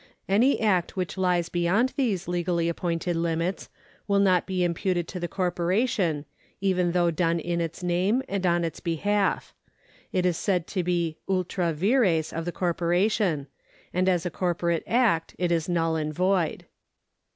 Any act which lies beyond these legally appointed limits will not be imputed to the corpora tion, even though done in its name and on its behalf. It is said to be ultra vires of the corporation, and as a corporate act it is null and void.